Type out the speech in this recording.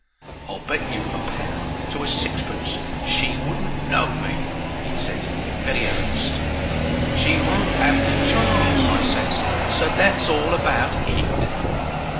"I'll bet you a pound to a sixpence she wouldn't know me," he ses, very earnest. "She won't 'ave the chance," I ses, "so that's all about it."